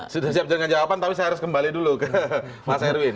sudah siap dengan jawaban tapi saya harus kembali dulu ke mas erwin